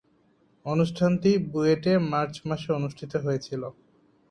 অনুষ্ঠানটি বুয়েটে মার্চ মাসে অনুষ্ঠিত হয়েছিলো।